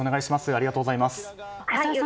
ありがとうございます。